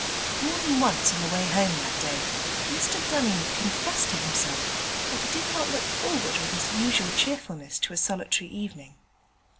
More than once on the way home that day Mr Dunning confessed to himself that he did not look forward with his usual cheerfulness to a solitary evening.